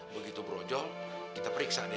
begitu brojol kita periksa nih